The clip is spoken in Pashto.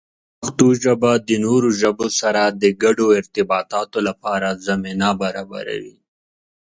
پښتو ژبه د نورو ژبو سره د ګډو ارتباطاتو لپاره زمینه برابروي.